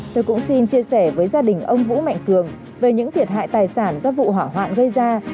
tôi cũng xin chia sẻ với gia đình ông vũ mạnh cường về những thiệt hại tài sản do vụ hỏa hoạn gây ra